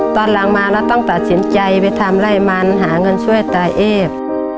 ตอนหลังมาเราต้องตัดสินใจไปทำไล่มันหาเงินช่วยตาเอฟ